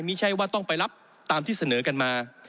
ไม่ใช่ว่าต้องไปรับตามที่เสนอกันมา